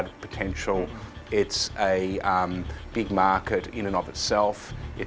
kedudukan perniagaan besar di dalam dirinya sendiri